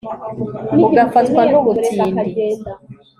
ugafatwa n'ubutindi